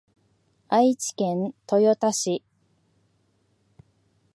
愛知県豊田市